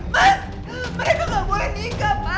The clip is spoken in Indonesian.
mas mereka gak boleh nikah pak